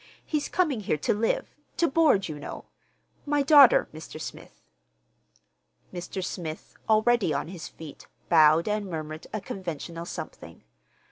He's coming here to live—to board, you know. My daughter, Mr. Smith." Mr. Smith, already on his feet, bowed and murmured a conventional something.